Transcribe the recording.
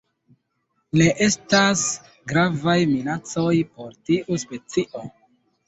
Ne estas gravaj minacoj por tiu specio.